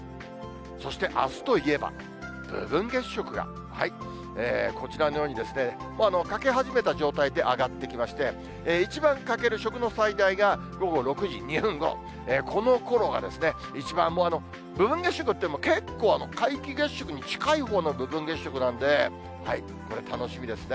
そして、あすといえば、部分月食が、こちらのようにもう欠け始めた状態で上がってきまして、一番欠ける食の最大が午後６時２分ごろ、このころが一番、部分月食って結構皆既月食に近いほうの部分月食なんで、これ、楽しみですね。